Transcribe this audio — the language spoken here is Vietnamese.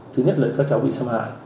thứ nhất là các cháu bị xâm hại